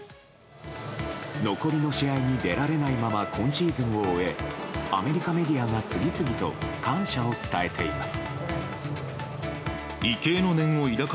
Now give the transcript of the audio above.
残りの試合に出られないまま今シーズンを終えアメリカメディアが次々と感謝を伝えています。